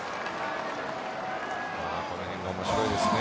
この辺が面白いですね。